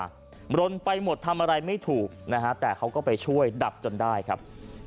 รนไปหมดทำอะไรไม่ถูกนะฮะแต่เขาก็ไปช่วยดับจนได้ครับ